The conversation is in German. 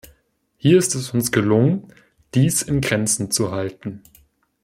Hier ist es uns gelungen, dies in Grenzen zu halten.